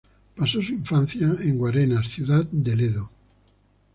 Pasó su infancia en Guarenas ciudad del Edo.